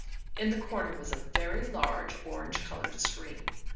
In the corner was a very large orange coloured screen.